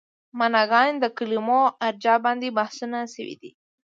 معناګانو ته د کلمو ارجاع باندې بحثونه شوي دي.